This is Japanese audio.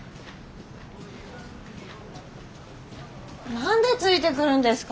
何でついてくるんですか。